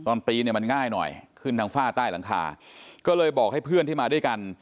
ปีนเนี่ยมันง่ายหน่อยขึ้นทางฝ้าใต้หลังคาก็เลยบอกให้เพื่อนที่มาด้วยกัน